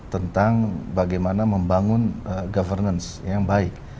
tentang bagaimana membangun governance yang baik